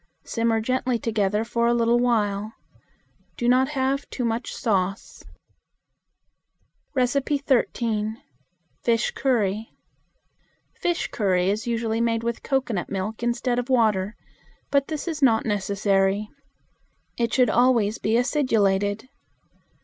Simmer gently together for a little while. Do not have too much sauce. 13. Fish Curry. Fish curry is usually made with cocoanut milk instead of water, but this is not necessary. It should always be acidulated.